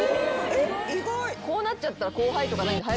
こうなっちゃったら後輩とかないんで。